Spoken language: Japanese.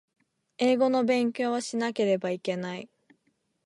英語の勉強をしなければいけない